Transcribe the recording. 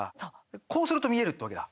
こうすると見えるってわけだ。